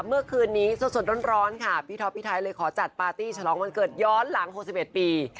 เมื่อคืนนี้สดร้อนค่ะพี่ท็อปพี่ไทยเลยขอจัดปาร์ตี้ฉลองวันเกิดย้อนหลัง๖๑ปี